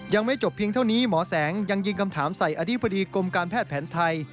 ยังไม่จบเพียงเท่านี้หมอแสงยังยิงคำถามใส่อธิบดีกรมการแพทย์แผนไทย